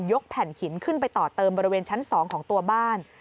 แผ่นหินขึ้นไปต่อเติมบริเวณชั้น๒ของตัวบ้าน